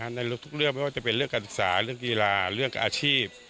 ในทุกเรื่องไม่ว่าจะเป็นเรื่องการศึกษาเรื่องกีฬาเรื่องอาชีพ